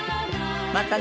またね。